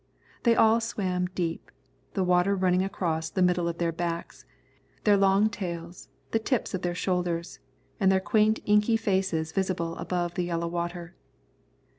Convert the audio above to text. They all swam deep, the water running across the middle of their backs, their long tails, the tips of their shoulders, and their quaint inky faces visible above the yellow water.